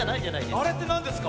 あれってなんですか？